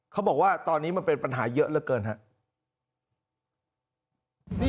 เขาบอกว่าตอนนี้มันเป็นปัญหาเยอะเหลือเกินครับ